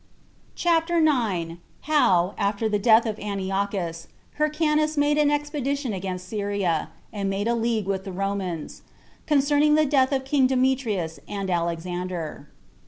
CHAPTER 9. How, After The Death Of Antiochus, Hyrcanus Made An Expedition Against Syria, And Made A League With The Romans. Concerning The Death Of King Demetrius And Alexander.